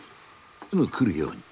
すぐ来るように。